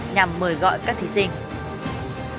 nhằm mời gọi các thí sinh